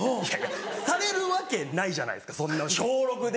されるわけないじゃないですかそんな小６で。